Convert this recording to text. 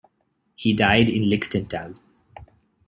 He died in Lichtental.